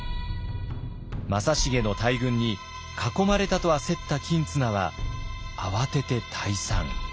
正成の大軍に囲まれたと焦った公綱は慌てて退散。